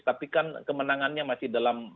tapi kan kemenangannya masih dalam